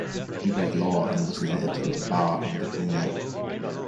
He read law and was admitted to the bar in Virginia.